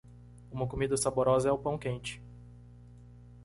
Uma comida saborosa é o pão quente.